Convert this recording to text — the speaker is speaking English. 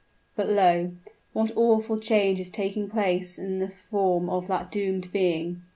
But, lo! what awful change is taking place in the form of that doomed being?